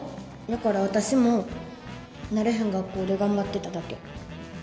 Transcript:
だから私も慣れへん学校で頑張ってただけ。